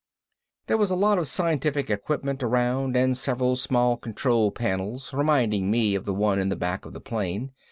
There was a lot of scientific equipment around and several small control panels reminding me of the one in the back of the plane.